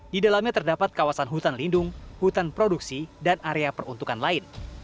di dalamnya terdapat kawasan hutan lindung hutan produksi dan area peruntukan lain